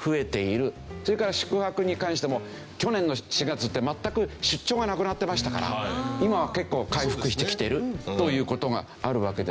それから宿泊に関しても去年の４月って全く出張がなくなってましたから今は結構回復してきてるという事があるわけですよね。